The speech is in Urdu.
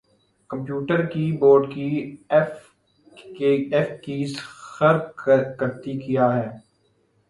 کمپیوٹر کی بورڈ کی ایف کیز خر کرتی کیا ہیں